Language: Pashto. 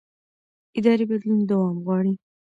اداري بدلون دوام غواړي